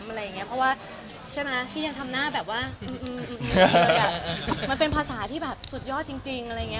เพราะว่าที่ยังทำหน้าแบบว่ามันเป็นภาษาที่สุดยอดจริง